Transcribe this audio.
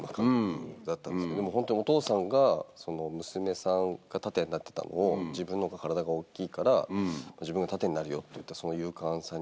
ホントお父さんが娘さんが盾になってたのを「自分の方が体が大きいから自分が盾になるよ」って言ったその。